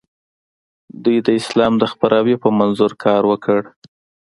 دوی د اسلام د خپراوي په منظور کار وکړ.